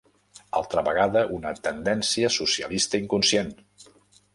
Altra vegada una tendència socialista inconscient!